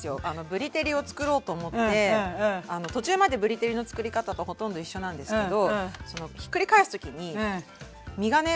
ぶり照りを作ろうと思って途中までぶり照りの作り方とほとんど一緒なんですけどひっくり返す時に身がね